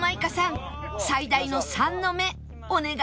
最大の３の目お願いしますね